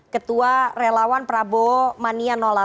ketua relawan prabomanian delapan